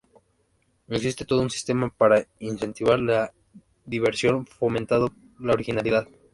Existe todo un sistema para incentivar la diversión fomentando la originalidad.